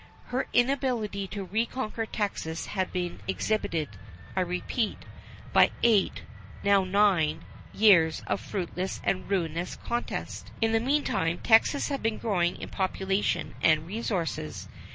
Her inability to reconquer Texas had been exhibited, I repeat, by eight (now nine) years of fruitless and ruinous contest. In the meantime Texas has been growing in population and resources.